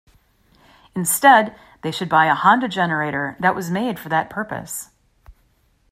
Instead, they should buy a Honda generator that was made for that purpose.